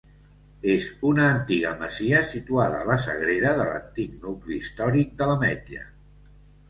És una antiga masia situada a la sagrera de l'antic nucli històric de l'Ametlla.